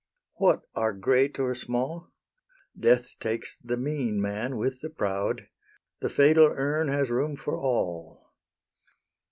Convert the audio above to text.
What are great or small? Death takes the mean man with the proud; The fatal urn has room for all.